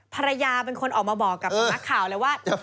ภรรยาเป็นคนออกมาบอกกับนักข่าวเลยว่า